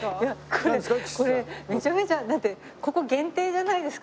これこれめちゃめちゃだってここ限定じゃないですか？